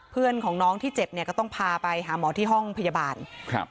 เพื่อนของน้องที่เจ็บเนี่ยก็ต้องพาไปหาหมอที่ห้องพยาบาลครับ